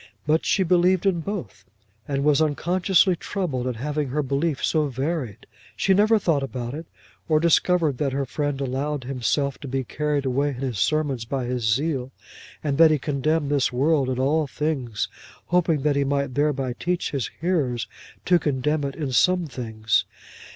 But she believed in both, and was unconsciously troubled at having her belief so varied. She never thought about it, or discovered that her friend allowed himself to be carried away in his sermons by his zeal, and that he condemned this world in all things, hoping that he might thereby teach his hearers to condemn it in some things.